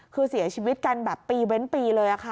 คือเสียชีวิตกันแบบปีเว้นปีเลยค่ะ